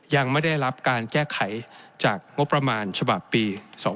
ยังไม่ได้รับการแก้ไขจากงบประมาณฉบับปี๒๕๖